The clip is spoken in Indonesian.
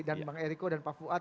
dan bang ericko dan pak fuad